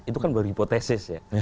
itu kan berhipotesis ya